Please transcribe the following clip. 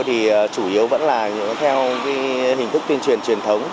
thì chủ yếu vẫn là theo hình thức tuyên truyền truyền thống